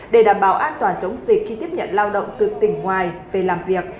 để đảm bảo an toàn chống dịch khi tiếp nhận lao động từ tỉnh ngoài về làm việc